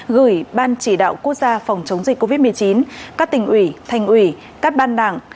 gửi ban chỉ đạo quốc gia phòng chống dịch covid một mươi chín các tỉnh ủy thành ủy các ban đảng